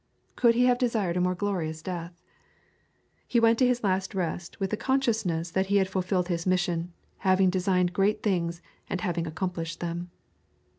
Could he have desired a more glorious death? He went to his last rest with the consciousness that he had fulfilled his mission, having designed great things and having accomplished them.